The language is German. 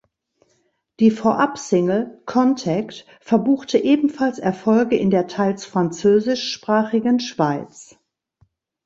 Die Vorabsingle "Contact" verbuchte ebenfalls Erfolge in der teils französisch-sprachigen Schweiz.